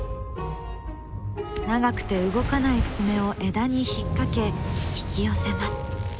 長くて動かない爪を枝に引っ掛け引き寄せます。